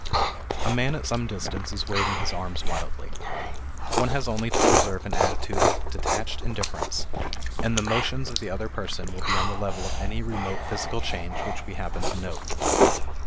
A man at some distance is waving his arms wildly. One has only to preserve an attitude of detached indifference, and the motions of the other person will be on the level of any remote physical change which we happen to note.